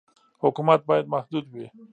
حکومت باید محدود وي.